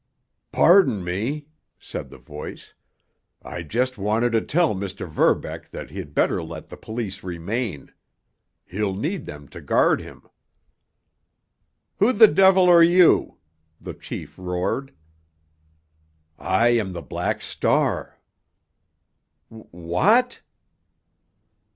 "Pardon me," said the voice. "I just wanted to tell Mr. Verbeck that he'd better let the police remain. He'll need them to guard him." "Who the devil are you?" the chief roared. "I am the Black Star!" "W what?"